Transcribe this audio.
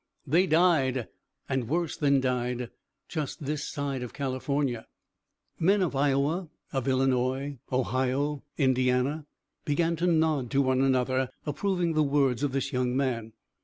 They died, and worse than died, just this side of California." Men of Iowa, of Illinois, Ohio, Indiana, began to nod to one another, approving the words of this young man.